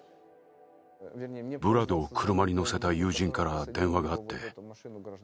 ヴラドを車に乗せた友人から電話があって。